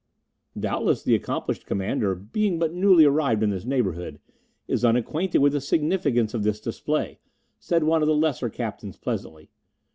"Doubtless the accomplished Commander, being but newly arrived in this neighbourhood, is unacquainted with the significance of this display," said one of the lesser captains pleasantly.